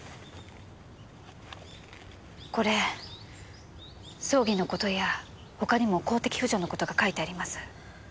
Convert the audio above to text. これ葬儀の事や他にも公的扶助の事が書いてあります。